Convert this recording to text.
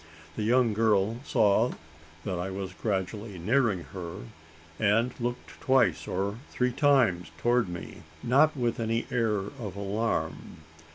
The young girl saw that I was gradually nearing her, and looked twice or three times towards me not with any air of alarm.